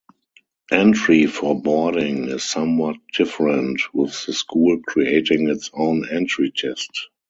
Entry for boarding is somewhat different, with the school creating its own entry test.